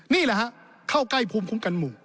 นี่แหละฮะเข้าใกล้ภูมิคุ้มกันหมู่